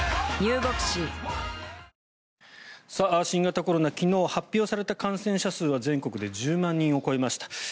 新型コロナ昨日、発表された感染者数は全国で１０万人を超えました。